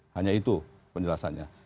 hanya itu penjelasannya